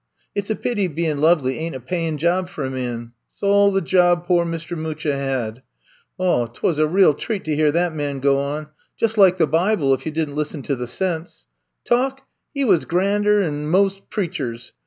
It 's a pity bein* lovely ain't a payin' job for a man. S' all the job pore Mist' Mucha had. Oh, 't was a real treat to hear that man go on. Jus ' like the Bible, if you did n 't lissen to the sense. Talk 1 He was grander 'an mos' preachers.